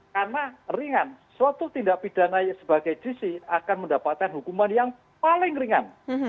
karena ringan suatu tindak pidana sebagai gc akan mendapatkan hukuman yang paling ringan